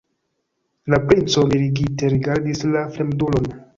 La princo mirigite rigardis la fremdulon.